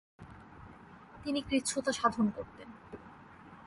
তিনি কৃচ্ছ্রতা সাধন করতেন।